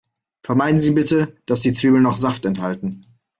Vermeiden Sie bitte, dass die Zwiebeln noch Saft enthalten.